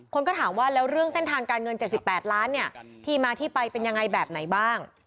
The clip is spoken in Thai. คนก็ถามว่าแล้วเรื่องเส้นทางการเงิน๗๘ล้านเนี่ยที่มาที่ไปเป็นยังไงแบบไหนบ้าง